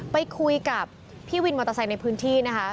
ไปคุยกับพี่วินมอเตอร์ไซค์ในพื้นที่นะคะ